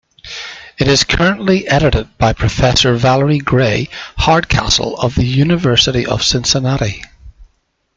It is currently edited by Professor Valerie Gray Hardcastle of the University of Cincinnati.